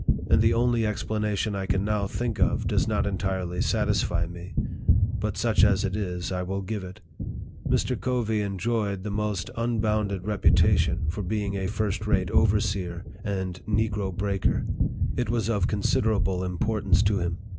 And the only ex planation I can now think of does not entirely satisfy me ; but such as it is, I will give it. Mr. Covey en joyed the most unbounded reputation for being a first rate overseer and negro breaker. It was of consider able importance to him.